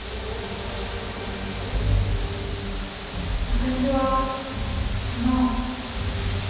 私はスノウ。